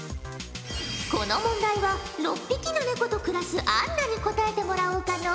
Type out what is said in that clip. この問題は６匹のネコと暮らすアンナに答えてもらおうかのう。